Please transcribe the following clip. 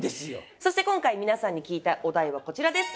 そして今回皆さんに聞いたお題はこちらです。